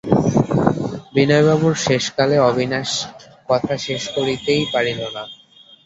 বিনয়বাবুর শেষকালে– অবিনাশ কথা শেষ করিতেই পারিল না।